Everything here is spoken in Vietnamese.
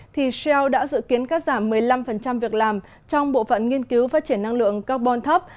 thì shel đã dự kiến cắt giảm một mươi năm việc làm trong bộ phận nghiên cứu phát triển năng lượng carbon thấp